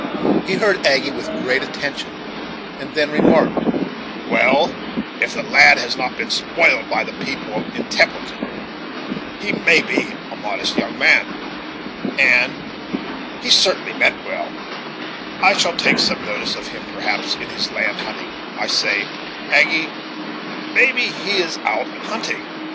He heard Aggy with great attention, and then remarked: "Well, if the lad has not been spoiled by the people in Templeton he may be a modest young man, and, as he certainly meant well, I shall take some notice of him perhaps he is land hunting I say, Aggy, maybe he is out hunting?"